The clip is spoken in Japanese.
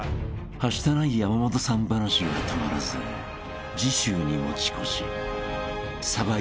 ［はしたない山本さん話が止まらず次週に持ち越し］